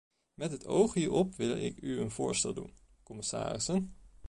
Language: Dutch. Met het oog hierop wil ik u een voorstel doen, commissarissen.